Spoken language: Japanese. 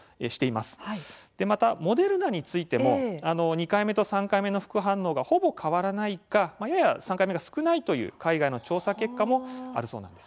またモデルナについても２回目と３回目の副反応はほぼ変わらないかやや３回目は少ないという海外の調査結果があるそうなんです。